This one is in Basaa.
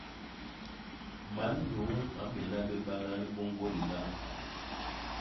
Man nyuu a mbéna bé bana libôñgô lilam.